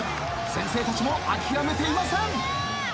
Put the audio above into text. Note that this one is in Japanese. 先生たちも諦めていません。